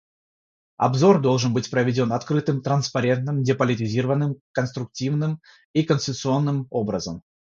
Обзор должен быть проведен открытым, транспарентным, деполитизированным, конструктивным и консенсусным образом.